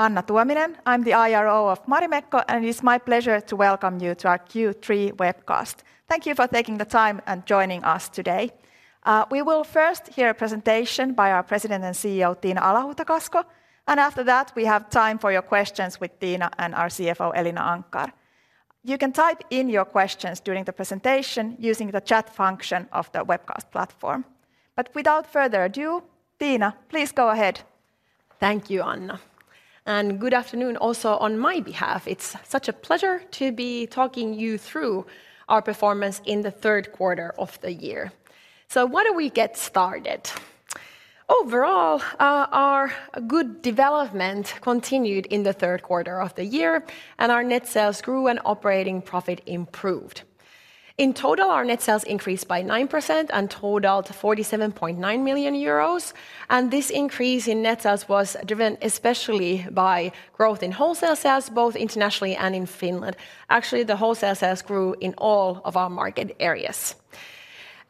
Anna Tuominen. I'm the IRO of Marimekko, and it's my pleasure to welcome you to our Q3 webcast. Thank you for taking the time and joining us today. We will first hear a presentation by our President and CEO, Tiina Alahuhta-Kasko, and after that, we have time for your questions with Tiina and our CFO, Elina Anckar. You can type in your questions during the presentation using the chat function of the webcast platform. Without further ado, Tiina, please go ahead. Thank you, Anna, and good afternoon also on my behalf. It's such a pleasure to be talking you through our performance in the third quarter of the year. So why don't we get started? Overall, our good development continued in the third quarter of the year, and our net sales grew, and operating profit improved. In total, our net sales increased by 9% and totaled 47.9 million euros, and this increase in net sales was driven especially by growth in wholesale sales, both internationally and in Finland. Actually, the wholesale sales grew in all of our market areas.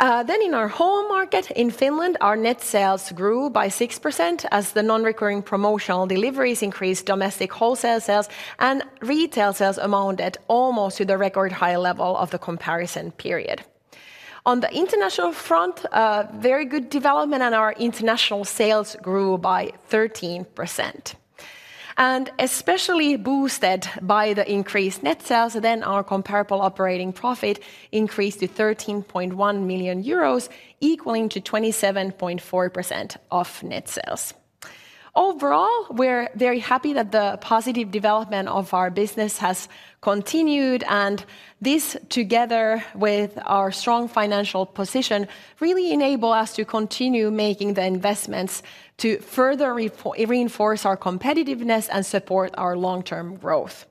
Then in our home market, in Finland, our net sales grew by 6% as the non-recurring promotional deliveries increased domestic wholesale sales, and retail sales amounted almost to the record high level of the comparison period. On the international front, a very good development, and our international sales grew by 13%. And especially boosted by the increased net sales, then our comparable operating profit increased to 13.1 million euros, equaling to 27.4% of net sales. Overall, we're very happy that the positive development of our business has continued, and this, together with our strong financial position, really enable us to continue making the investments to further reinforce our competitiveness and support our long-term growth.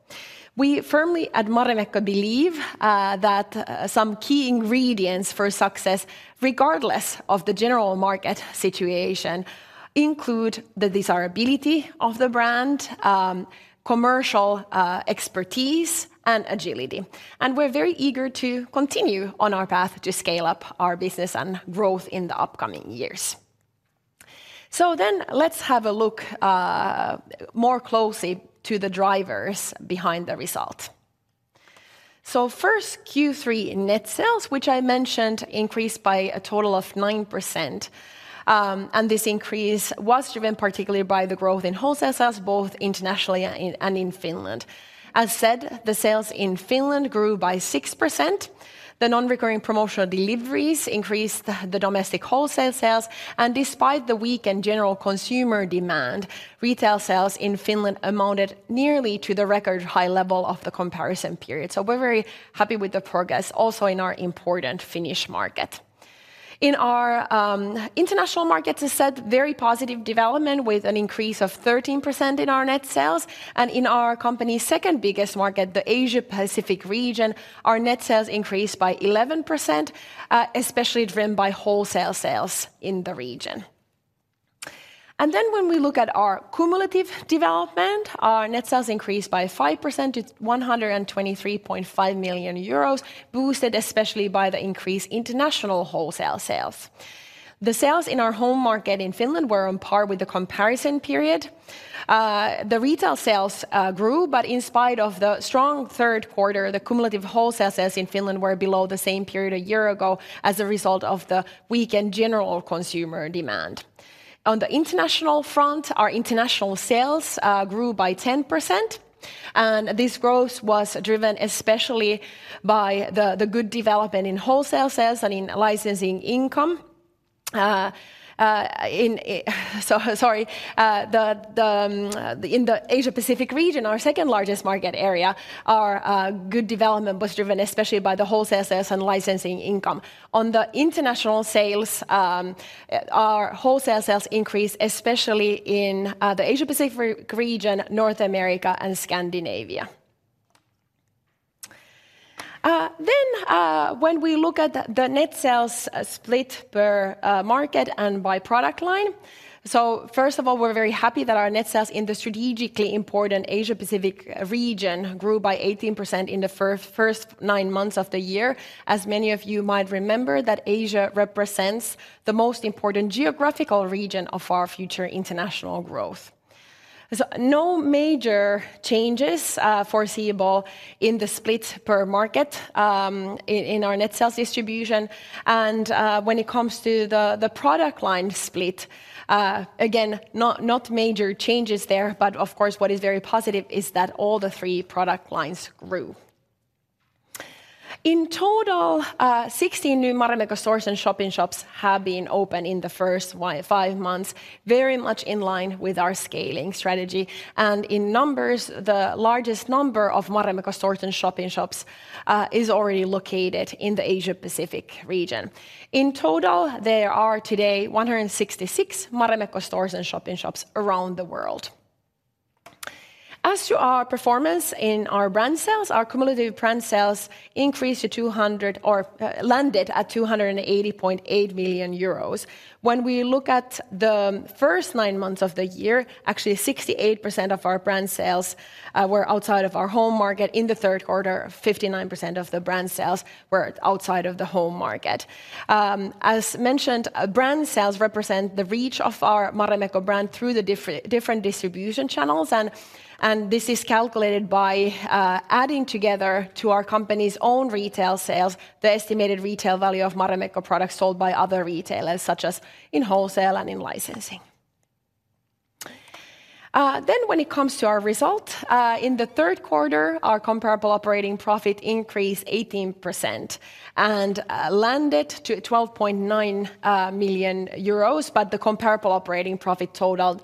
We firmly, at Marimekko, believe that some key ingredients for success, regardless of the general market situation, include the desirability of the brand, commercial expertise, and agility, and we're very eager to continue on our path to scale up our business and growth in the upcoming years. So then, let's have a look more closely to the drivers behind the result. So first, Q3 net sales, which I mentioned, increased by a total of 9%, and this increase was driven particularly by the growth in wholesale sales, both internationally and in Finland. As said, the sales in Finland grew by 6%. The non-recurring promotional deliveries increased the domestic wholesale sales, and despite the weak in general consumer demand, retail sales in Finland amounted nearly to the record high level of the comparison period. So we're very happy with the progress, also in our important Finnish market. In our international markets, as said, very positive development, with an increase of 13% in our net sales, and in our company's second biggest market, the Asia-Pacific region, our net sales increased by 11%, especially driven by wholesale sales in the region. When we look at our cumulative development, our net sales increased by 5% to 123.5 million euros, boosted especially by the increased international wholesale sales. The sales in our home market in Finland were on par with the comparison period. The retail sales grew, but in spite of the strong third quarter, the cumulative wholesale sales in Finland were below the same period a year ago as a result of the weak in general consumer demand. On the international front, our international sales grew by 10%, and this growth was driven especially by the good development in wholesale sales and in licensing income. In the Asia-Pacific region, our second-largest market area, our good development was driven especially by the wholesale sales and licensing income. On the international sales, our wholesale sales increased, especially in the Asia-Pacific region, North America, and Scandinavia. When we look at the net sales split per market and by product line, so first of all, we're very happy that our net sales in the strategically important Asia-Pacific region grew by 18% in the first nine months of the year. As many of you might remember, that Asia represents the most important geographical region of our future international growth. So no major changes, foreseeable in the split per market, in, in our net sales distribution, and, when it comes to the, the product line split, again, not, not major changes there, but of course, what is very positive is that all the three product lines grew. In total, 16 new Marimekko stores and shop-in-shops have been opened in the first five months, very much in line with our scaling strategy. And in numbers, the largest number of Marimekko stores and shop-in-shops is already located in the Asia-Pacific region. In total, there are today 166 Marimekko stores and shop-in-shops around the world. As to our performance in our brand sales, our cumulative brand sales increased to 200... landed at 280.8 million euros. When we look at the first nine months of the year, actually 68% of our brand sales were outside of our home market. In the third quarter, 59% of the brand sales were outside of the home market. As mentioned, brand sales represent the reach of our Marimekko brand through the different distribution channels, and this is calculated by adding together our company's own retail sales, the estimated retail value of Marimekko products sold by other retailers, such as in wholesale and in licensing. Then when it comes to our result in the third quarter, our comparable operating profit increased 18% and landed to 12.9 million euros, but the comparable operating profit totaled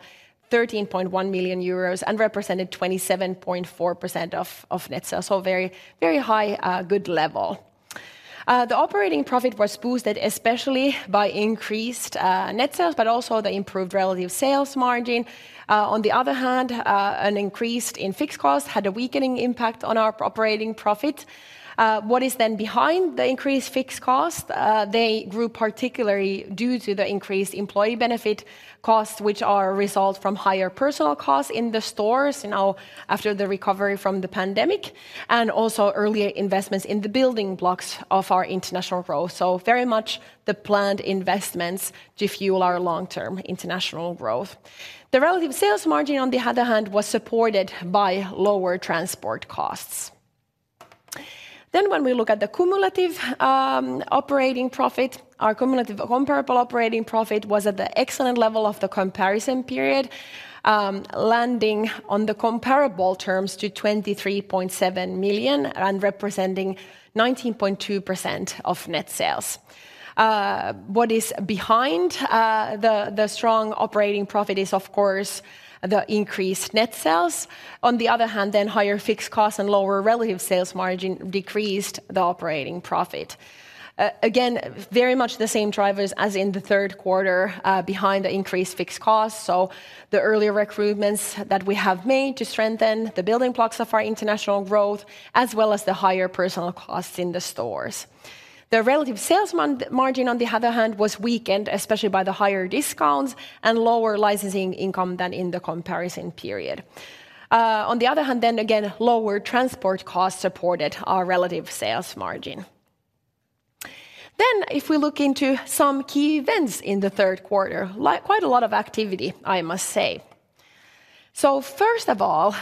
13.1 million euros and represented 27.4% of net sales. So very, very high, good level. The operating profit was boosted especially by increased net sales, but also the improved relative sales margin. On the other hand, an increase in fixed costs had a weakening impact on our operating profit. What is then behind the increased fixed cost? They grew particularly due to the increased employee benefit costs, which are a result from higher personal costs in the stores, now after the recovery from the pandemic, and also earlier investments in the building blocks of our international growth. Very much the planned investments to fuel our long-term international growth. The relative sales margin, on the other hand, was supported by lower transport costs. Then when we look at the cumulative operating profit, our cumulative comparable operating profit was at the excellent level of the comparison period, landing on the comparable terms to 23.7 million and representing 19.2% of net sales. What is behind the strong operating profit is, of course, the increased net sales. On the other hand, then, higher fixed costs and lower relative sales margin decreased the operating profit. Again, very much the same drivers as in the third quarter, behind the increased fixed costs, so the earlier recruitments that we have made to strengthen the building blocks of our international growth, as well as the higher personal costs in the stores. The relative sales margin, on the other hand, was weakened, especially by the higher discounts and lower licensing income than in the comparison period. On the other hand, then again, lower transport costs supported our relative sales margin. Then, if we look into some key events in the third quarter, like, quite a lot of activity, I must say. So first of all,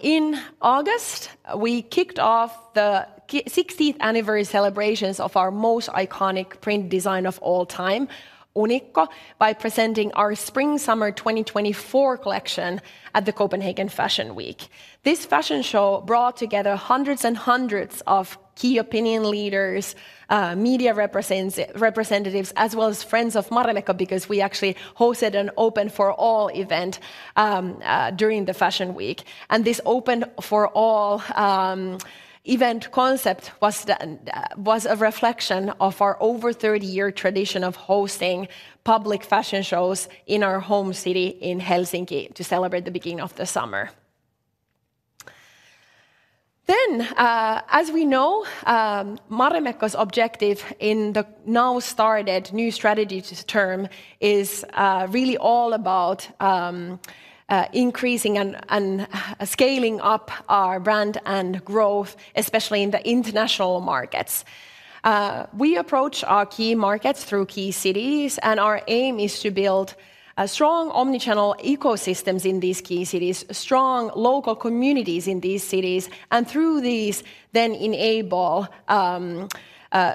in August, we kicked off the sixtieth anniversary celebrations of our most iconic print design of all time, Unikko, by presenting our Spring/Summer 2024 collection at the Copenhagen Fashion Week. This fashion show brought together hundreds and hundreds of key opinion leaders, media representatives, as well as friends of Marimekko, because we actually hosted an open-for-all event during the Fashion Week. This open-for-all event concept was a reflection of our over 30-year tradition of hosting public fashion shows in our home city in Helsinki to celebrate the beginning of the summer. As we know, Marimekko's objective in the now-started new strategy term is really all about increasing and scaling up our brand and growth, especially in the international markets. We approach our key markets through key cities, and our aim is to build a strong omni-channel ecosystems in these key cities, strong local communities in these cities, and through these, then enable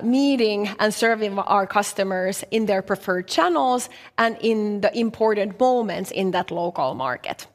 meeting and serving our customers in their preferred channels and in the important moments in that local market.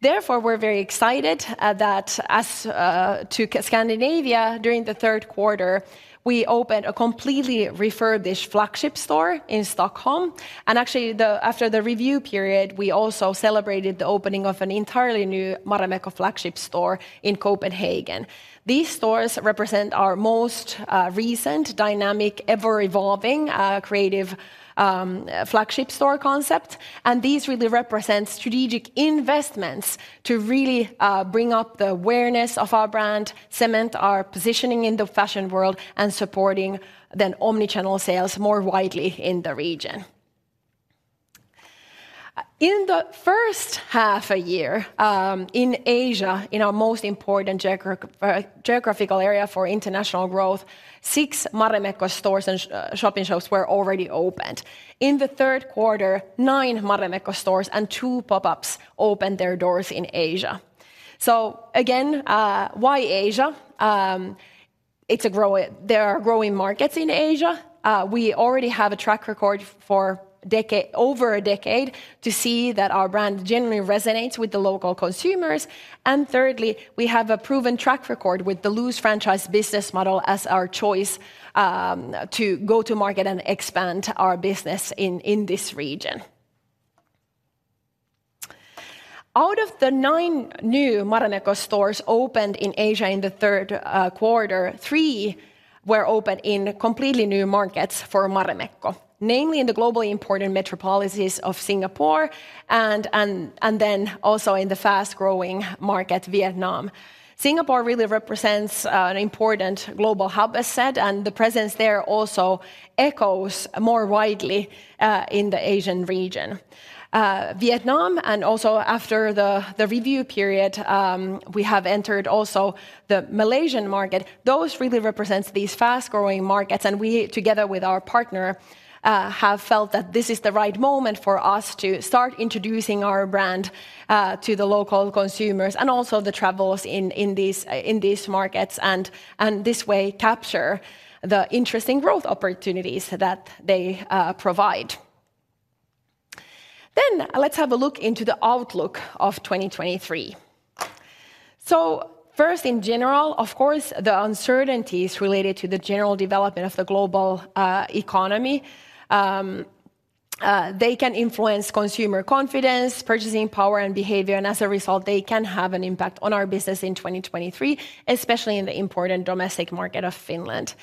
Therefore, we're very excited that as to Scandinavia, during the third quarter, we opened a completely refurbished flagship store in Stockholm, and actually, after the review period, we also celebrated the opening of an entirely new Marimekko flagship store in Copenhagen. These stores represent our most recent dynamic, ever-evolving creative flagship store concept, and these really represent strategic investments to really bring up the awareness of our brand, cement our positioning in the fashion world, and supporting then omni-channel sales more widely in the region. In the first half a year, in Asia, in our most important geographical area for international growth, six Marimekko stores and shop-in-shops were already opened. In the third quarter, nine Marimekko stores and two pop-ups opened their doors in Asia. So again, why Asia? It's a growing... There are growing markets in Asia. We already have a track record for over a decade to see that our brand generally resonates with the local consumers, and thirdly, we have a proven track record with the loose franchise business model as our choice to go to market and expand our business in this region. Out of the 9 new Marimekko stores opened in Asia in the third quarter, 3 were opened in completely new markets for Marimekko, namely in the globally important metropolises of Singapore and then also in the fast-growing market, Vietnam. Singapore really represents an important global hub asset, and the presence there also echoes more widely in the Asian region. Vietnam, and also after the review period, we have entered also the Malaysian market. Those really represents these fast-growing markets, and we, together with our partner, have felt that this is the right moment for us to start introducing our brand to the local consumers and also the travelers in these markets, and this way, capture the interesting growth opportunities that they provide. Then let's have a look into the outlook of 2023. So first, in general, of course, the uncertainties related to the general development of the global economy, they can influence consumer confidence, purchasing power, and behavior, and as a result, they can have an impact on our business in 2023, especially in the important domestic market of Finland.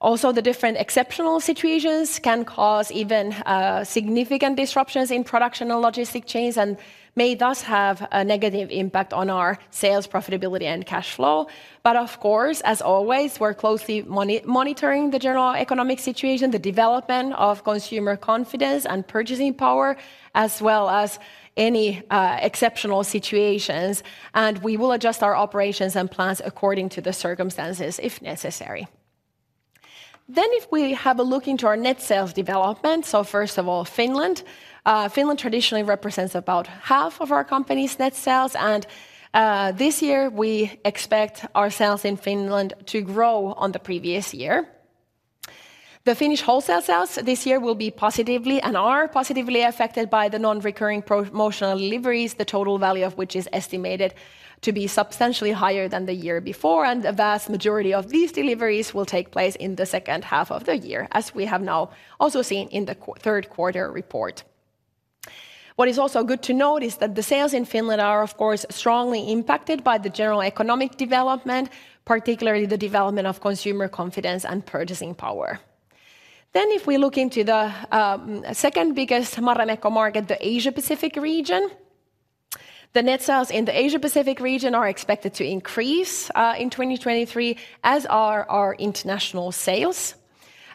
Also, the different exceptional situations can cause even significant disruptions in production and logistic chains, and may thus have a negative impact on our sales, profitability, and cash flow. But of course, as always, we're closely monitoring the general economic situation, the development of consumer confidence and purchasing power, as well as any exceptional situations, and we will adjust our operations and plans according to the circumstances, if necessary. Then, if we have a look into our net sales development, so first of all, Finland. Finland traditionally represents about half of our company's net sales, and this year we expect our sales in Finland to grow on the previous year. The Finnish wholesale sales this year will be positively, and are positively affected by the non-recurring promotional deliveries, the total value of which is estimated to be substantially higher than the year before, and the vast majority of these deliveries will take place in the second half of the year, as we have now also seen in the third quarter report. What is also good to note is that the sales in Finland are, of course, strongly impacted by the general economic development, particularly the development of consumer confidence and purchasing power. Then, if we look into the second-biggest Marimekko market, the Asia-Pacific region, the net sales in the Asia-Pacific region are expected to increase in 2023, as are our international sales.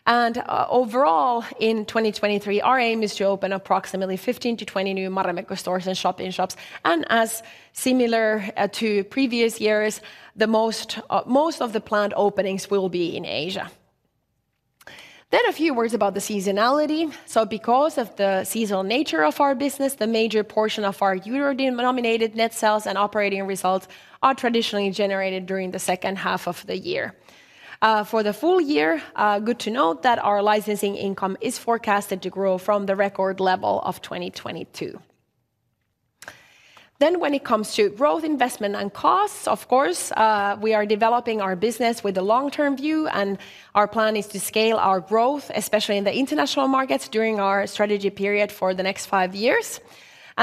And overall, in 2023, our aim is to open approximately 15-20 new Marimekko stores and shop-in-shops, and as similar to previous years, the most of the planned openings will be in Asia. Then a few words about the seasonality. So because of the seasonal nature of our business, the major portion of our euro-denominated net sales and operating results are traditionally generated during the second half of the year. For the full year, good to note that our licensing income is forecasted to grow from the record level of 2022. When it comes to growth, investment, and costs, of course, we are developing our business with a long-term view, and our plan is to scale our growth, especially in the international markets, during our strategy period for the next five years.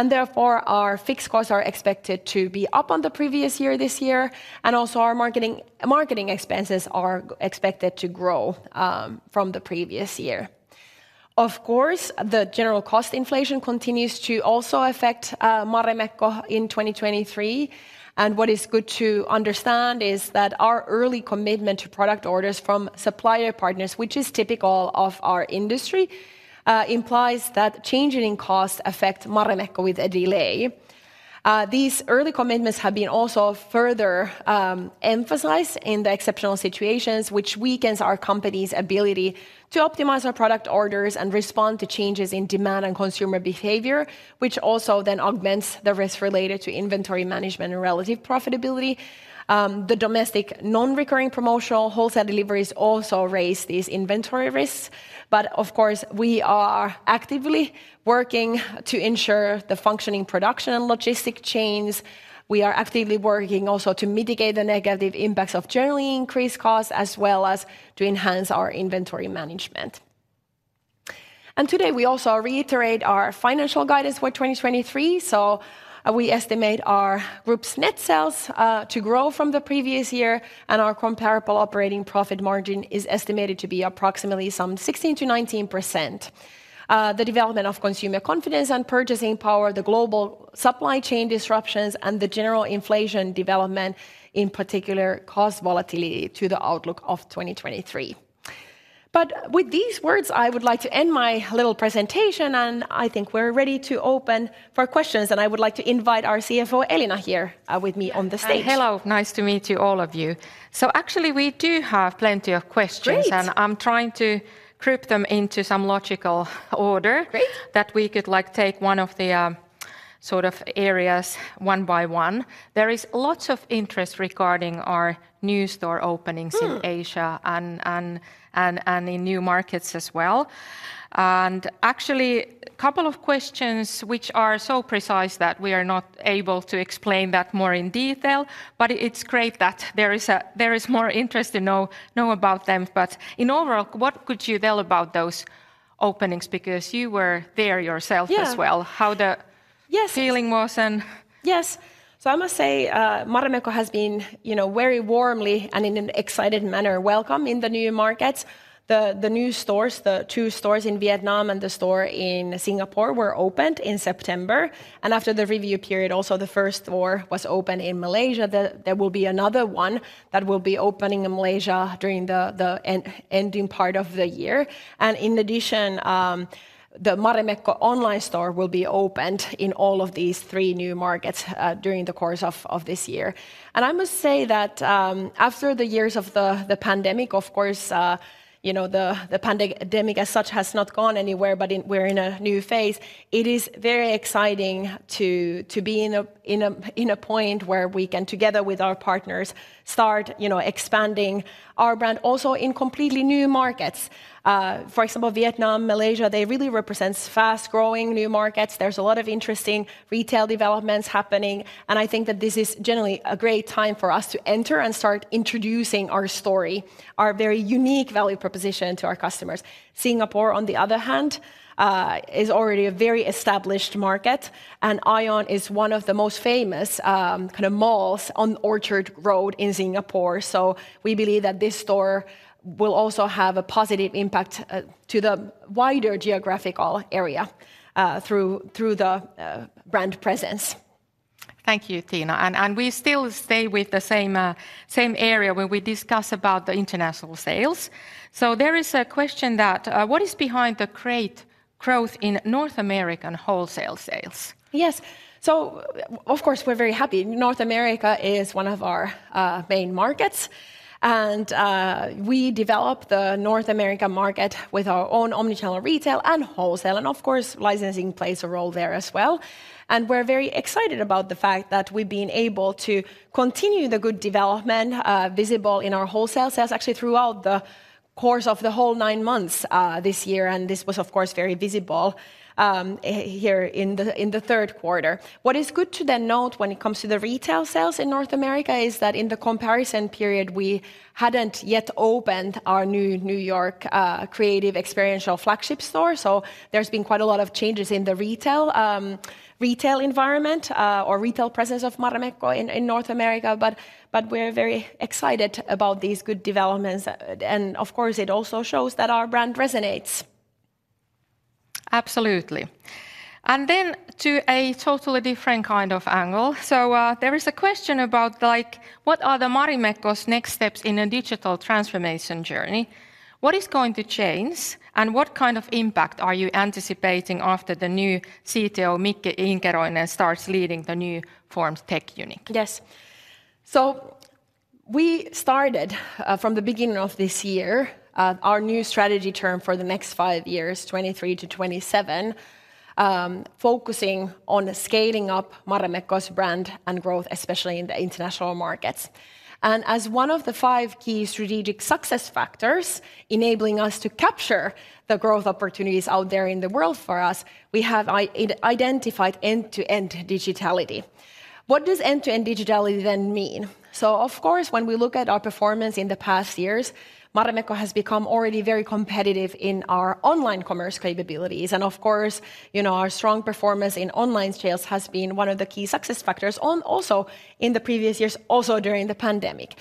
Therefore, our fixed costs are expected to be up on the previous year, this year, and also our marketing expenses are expected to grow from the previous year. Of course, the general cost inflation continues to also affect Marimekko in 2023, and what is good to understand is that our early commitment to product orders from supplier partners, which is typical of our industry, implies that changing in costs affect Marimekko with a delay. These early commitments have been also further emphasized in the exceptional situations, which weakens our company's ability to optimize our product orders and respond to changes in demand and consumer behavior, which also then augments the risk related to inventory management and relative profitability. The domestic non-recurring promotional wholesale deliveries also raise these inventory risks, but of course, we are actively working to ensure the functioning production and logistic chains. We are actively working also to mitigate the negative impacts of generally increased costs, as well as to enhance our inventory management. And today, we also reiterate our financial guidance for 2023, so we estimate our group's net sales to grow from the previous year, and our comparable operating profit margin is estimated to be approximately some 16%-19%. The development of consumer confidence and purchasing power, the global supply chain disruptions, and the general inflation development, in particular, cause volatility to the outlook of 2023. But with these words, I would like to end my little presentation, and I think we're ready to open for questions, and I would like to invite our CFO, Elina, here, with me on the stage. Hi. Hello, nice to meet you, all of you. Actually, we do have plenty of questions. Great! and I'm trying to group them into some logical order. Great that we could, like, take one of the, sort of areas one by one. There is lots of interest regarding our new store openings. Mm in Asia and in new markets as well. And actually, a couple of questions which are so precise that we are not able to explain that more in detail, but it's great that there is more interest to know about them. But overall, what could you tell about those openings? Because you were there yourself- Yeah... as well, how the- Yes... feeling was and- Yes, so I must say, Marimekko has been, you know, very warmly, and in an excited manner, welcome in the new markets. The new stores, the two stores in Vietnam and the store in Singapore, were opened in September. And after the review period, also the first store was opened in Malaysia. There will be another one that will be opening in Malaysia during the ending part of the year. And in addition, the Marimekko online store will be opened in all of these three new markets during the course of this year. I must say that, after the years of the pandemic, of course, you know, the pandemic as such has not gone anywhere, but we're in a new phase, it is very exciting to be in a point where we can, together with our partners, start, you know, expanding our brand also in completely new markets. For example, Vietnam, Malaysia, they really represents fast-growing new markets. There's a lot of interesting retail developments happening, and I think that this is generally a great time for us to enter and start introducing our story, our very unique value proposition to our customers. Singapore, on the other hand, is already a very established market, and ION is one of the most famous kind of malls on Orchard Road in Singapore. So we believe that this store will also have a positive impact to the wider geographical area through the brand presence.... Thank you, Tiina. And we still stay with the same area where we discuss about the international sales. So there is a question that, what is behind the great growth in North American wholesale sales? Yes. So, of course, we're very happy. North America is one of our main markets, and we developed the North American market with our own omni-channel retail and wholesale, and of course, licensing plays a role there as well. And we're very excited about the fact that we've been able to continue the good development visible in our wholesale sales, actually throughout the course of the whole nine months this year, and this was, of course, very visible here in the third quarter. What is good to then note when it comes to the retail sales in North America is that in the comparison period, we hadn't yet opened our new New York creative experiential flagship store. There's been quite a lot of changes in the retail environment or retail presence of Marimekko in North America, but we're very excited about these good developments, and of course, it also shows that our brand resonates. Absolutely. Then to a totally different kind of angle. So, there is a question about, like, what are the Marimekko's next steps in a digital transformation journey? What is going to change, and what kind of impact are you anticipating after the new CTO, Mikki Inkeroinen, starts leading the new formed tech unit? Yes. So we started from the beginning of this year our new strategy term for the next five years, 2023 to 2027, focusing on scaling up Marimekko's brand and growth, especially in the international markets. And as one of the five key strategic success factors enabling us to capture the growth opportunities out there in the world for us, we have identified end-to-end digitality. What does end-to-end digitality then mean? So of course, when we look at our performance in the past years, Marimekko has become already very competitive in our online commerce capabilities. And of course, you know, our strong performance in online sales has been one of the key success factors also in the previous years, also during the pandemic.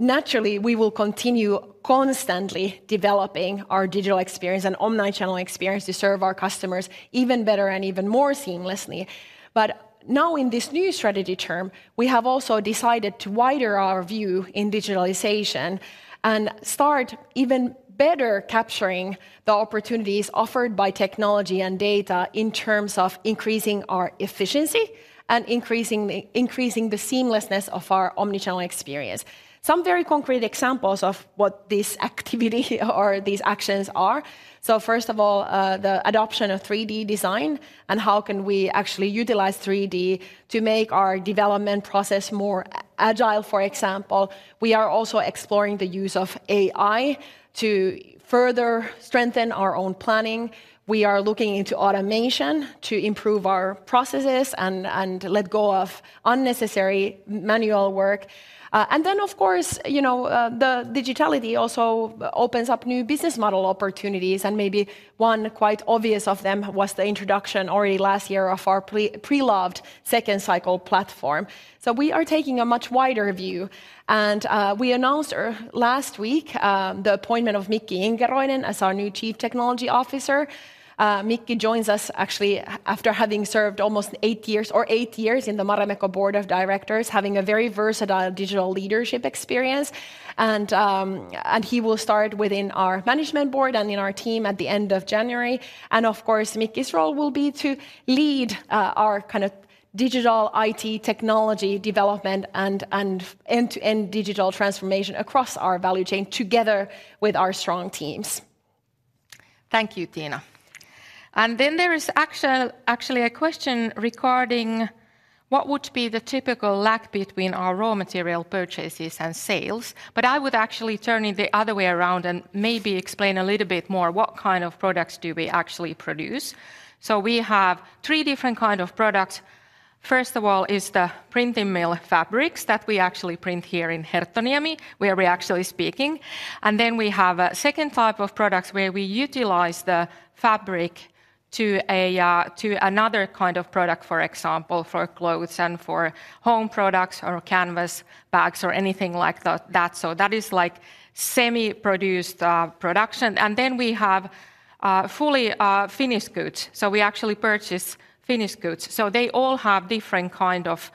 Naturally, we will continue constantly developing our digital experience and omni-channel experience to serve our customers even better and even more seamlessly. But now in this new strategy term, we have also decided to widen our view in digitalization and start even better capturing the opportunities offered by technology and data in terms of increasing our efficiency and increasing the seamlessness of our omni-channel experience. Some very concrete examples of what this activity or these actions are: so first of all, the adoption of 3D design and how can we actually utilize 3D to make our development process more agile, for example. We are also exploring the use of AI to further strengthen our own planning. We are looking into automation to improve our processes and let go of unnecessary manual work. And then, of course, you know, the digitality also opens up new business model opportunities, and maybe one quite obvious of them was the introduction already last year of our pre-loved Second Cycle platform. So we are taking a much wider view, and we announced last week the appointment of Mikki Inkeroinen as our new Chief Technology Officer. Mikki joins us actually after having served almost 8 years, or 8 years in the Marimekko board of directors, having a very versatile digital leadership experience. And he will start within our management board and in our team at the end of January. And of course, Mikki's role will be to lead our kind of digital IT technology development and end-to-end digital transformation across our value chain, together with our strong teams. Thank you, Tiina. And then there is actually a question regarding what would be the typical lag between our raw material purchases and sales, but I would actually turn it the other way around and maybe explain a little bit more what kind of products do we actually produce. So we have three different kind of products. First of all is the printing mill fabrics that we actually print here in Herttoniemi, where we are actually speaking. And then we have a second type of products where we utilize the fabric to a, to another kind of product, for example, for clothes and for home products or canvas bags or anything like that, that. So that is like semi-produced production. And then we have fully finished goods, so we actually purchase finished goods. So they all have different kind of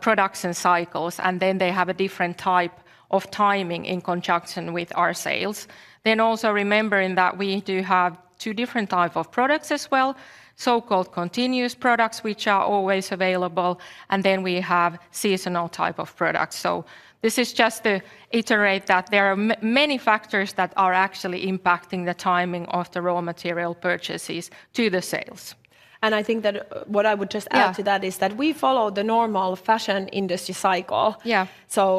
production cycles, and then they have a different type of timing in conjunction with our sales. Then also remembering that we do have two different type of products as well, so-called continuous products, which are always available, and then we have seasonal type of products. So this is just to iterate that there are many factors that are actually impacting the timing of the raw material purchases to the sales. I think that what I would just add Yeah to that is that we follow the normal fashion industry cycle. Yeah.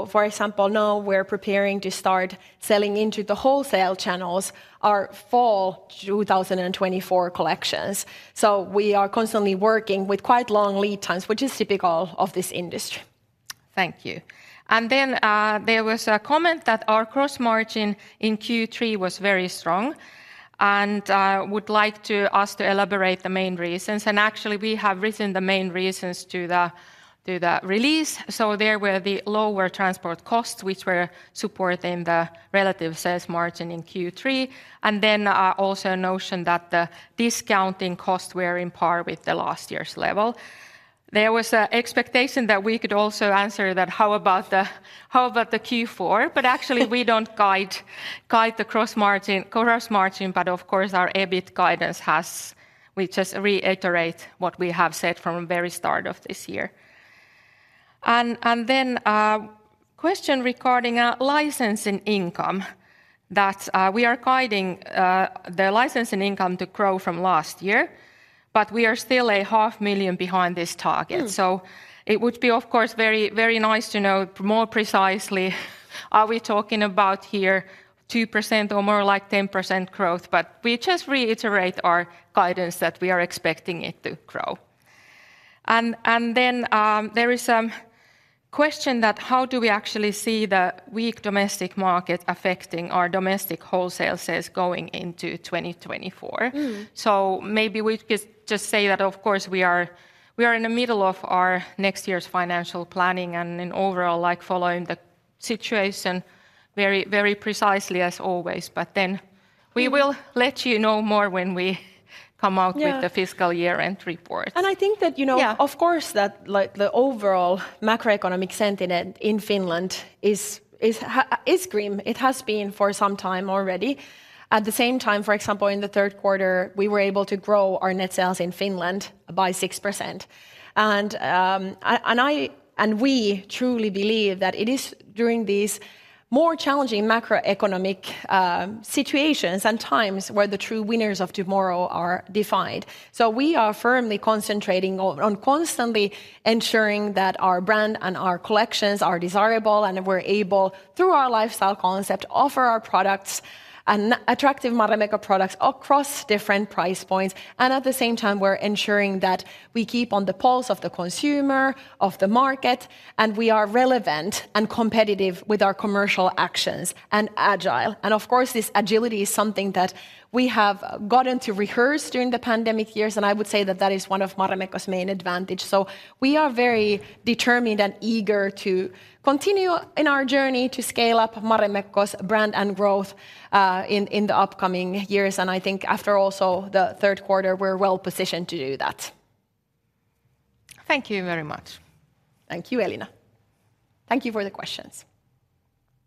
For example, now we're preparing to start selling into the wholesale channels, our fall 2024 collections. We are constantly working with quite long lead times, which is typical of this industry. Thank you. Then, there was a comment that our gross margin in Q3 was very strong, and would like to ask to elaborate the main reasons. Actually, we have written the main reasons to the release. So there were the lower transport costs, which were supporting the relative sales margin in Q3, and then, also a notion that the discounting costs were on par with the last year's level. There was a expectation that we could also answer that how about the Q4? But actually, we don't guide the gross margin, but of course, our EBIT guidance. We just reiterate what we have said from the very start of this year. A question regarding our licensing income that we are guiding the licensing income to grow from last year, but we are still 500,000 behind this target. Mm. So it would be, of course, very, very nice to know more precisely, are we talking about here 2% or more like 10% growth? But we just reiterate our guidance that we are expecting it to grow. And, and then, there is a question that how do we actually see the weak domestic market affecting our domestic wholesale sales going into 2024? Mm. Maybe we could just say that, of course, we are, we are in the middle of our next year's financial planning, and in overall, like, following the situation very, very precisely as always. But then we will let you know more when we come out- Yeah... with the fiscal year-end report. I think that, you know- Yeah... of course, that, like, the overall macroeconomic sentiment in Finland is grim. It has been for some time already. At the same time, for example, in the third quarter, we were able to grow our net sales in Finland by 6%. And we truly believe that it is during these more challenging macroeconomic situations and times where the true winners of tomorrow are defined. So we are firmly concentrating on constantly ensuring that our brand and our collections are desirable, and we're able, through our lifestyle concept, offer our products and attractive Marimekko products across different price points. And at the same time, we're ensuring that we keep on the pulse of the consumer, of the market, and we are relevant and competitive with our commercial actions, and agile. Of course, this agility is something that we have gotten to rehearse during the pandemic years, and I would say that that is one of Marimekko's main advantage. We are very determined and eager to continue in our journey to scale up Marimekko's brand and growth in the upcoming years, and I think after also the third quarter, we're well positioned to do that. Thank you very much. Thank you, Elina. Thank you for the questions.